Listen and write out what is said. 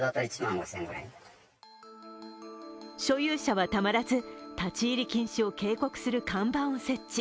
所有者はたまらず立入禁止を警告する看板を設置。